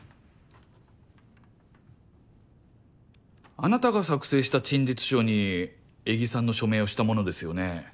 あなたが作成した陳述書に江木さんの署名をしたものですよね？